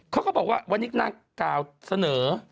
เขาก็บอกว่าวันนี้นางกล่าวเสนอ